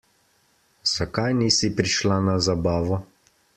Zakaj nisi prišla na zabavo?